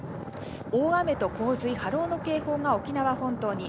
大雨と洪水・波浪の警報が沖縄本島に。